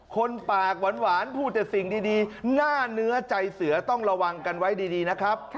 คนปากหวานพูดแต่สิ่งดีหน้าเนื้อใจเสือต้องระวังกันไว้ดีนะครับ